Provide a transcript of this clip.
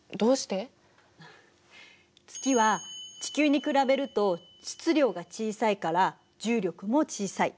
月は地球に比べると質量が小さいから重力も小さい。